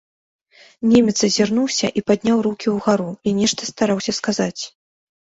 Немец азірнуўся і падняў рукі ўгару і нешта стараўся сказаць.